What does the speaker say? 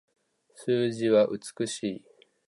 数字は美しい